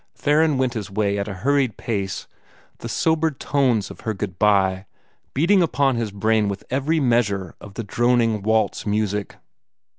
Theron went his way at a hurried pace, the sobered tones of her "good bye" beating upon his brain with every measure of the droning waltz music.